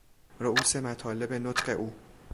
رئوس مطالب نطق او